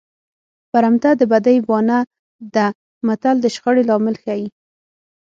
برمته د بدۍ بانه ده متل د شخړې لامل ښيي